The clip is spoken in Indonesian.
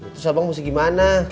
terus abang mesti gimana